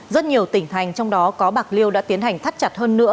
rất nhiều tỉnh thành trong đó có bạc liêu đã tiến hành thắt chặt hơn nữa